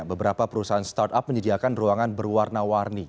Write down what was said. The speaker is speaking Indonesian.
beberapa perusahaan start up menyediakan ruangan berwarna warni